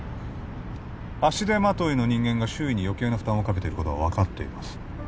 足手まといの人間が周囲に余計な負担をかけていることは分かっています